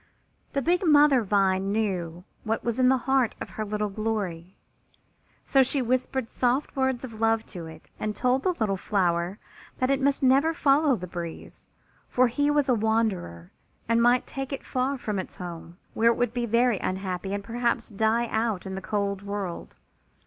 The big mother vine knew what was in the heart of her little Glory, so she whispered soft words of love to it and told the little flower that it must never follow the breeze, for he was a wanderer and might take it far from its home, where it would be very unhappy and perhaps die out in the cold world.